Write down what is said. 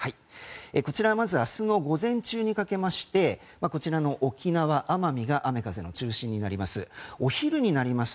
まず、明日の午前中にかけまして沖縄、奄美が雨風の中心になります。